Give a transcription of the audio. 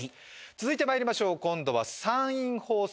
続いてまいりましょう今度は山陰放送